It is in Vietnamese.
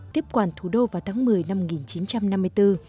tiếp quản thủ đô vào tháng một mươi năm một nghìn chín trăm năm mươi bốn